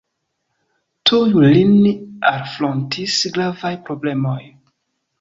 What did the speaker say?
Tuj lin alfrontis gravaj problemoj.